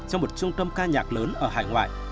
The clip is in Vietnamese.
trong một trung tâm ca nhạc lớn ở hải ngoại